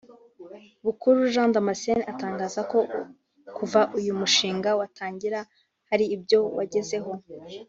Bukuru Jean Damascene atangaza ko kuva uyu mushinga watangira hari ibyo wagezeho